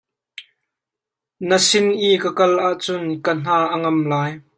Na sin i ka kal ahcun ka hna a ngam lai.